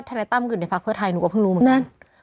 ท่านายต้ำกึ่งในพักเพื่อไทยหนูก็เพิ่งรู้เหมือนกันน่ะ